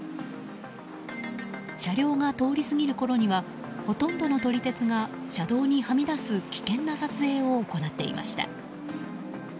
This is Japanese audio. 車両が通り過ぎるころにはほとんどの撮り鉄が車道にはみ出す危険な撮影を行っていました。